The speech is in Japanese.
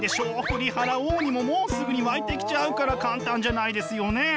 振り払おうにももうすぐに湧いてきちゃうから簡単じゃないですよねえ。